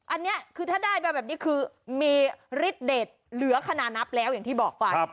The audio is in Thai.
อันนี้คือถ้าได้มาแบบนี้คือมีฤทธิเด็ดเหลือขนาดนับแล้วอย่างที่บอกไป